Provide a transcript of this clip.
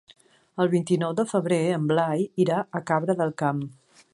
El vint-i-nou de febrer en Blai irà a Cabra del Camp.